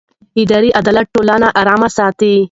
اداري عدالت ټولنه ارامه ساتي